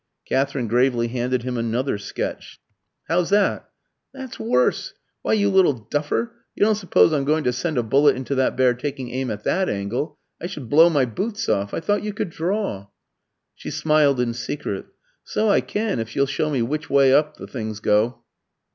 Katherine gravely handed him another sketch "How's that?" "That's worse. Why, you little duffer, you don't suppose I'm going to send a bullet into that bear taking aim at that angle? I should blow my boots off. I thought you could draw?" She smiled in secret. "So I can, if you'll show me which way up the things go."